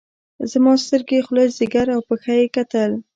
زما سترګې خوله ځيګر او پښه يې کتل.